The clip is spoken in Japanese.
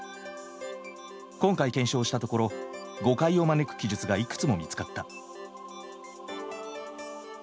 今回検証したところ誤解を招く記述がいくつも見つかった。